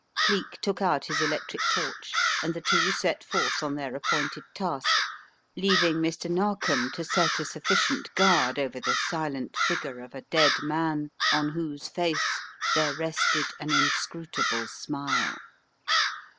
Cleek took out his electric torch and the two set forth on their appointed task, leaving Mr. Narkom to set a sufficient guard over the silent figure of a dead man on whose face there rested an inscrutable smile.